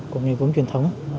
của nghề gốm truyền thống